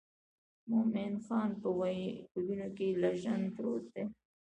مومن خان په وینو کې لژند پروت دی.